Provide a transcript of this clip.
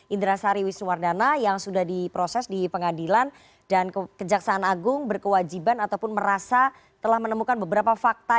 indra sari wisnuwardana yang sudah diproses di pengadilan dan kejaksaan agung berkewajiban ataupun merasa telah menemukan beberapa fakta